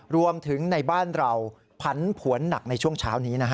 รวมถึงในบ้านเราผันผวนหนักในช่วงเช้านี้นะฮะ